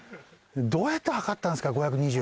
どうやって測ったんですか？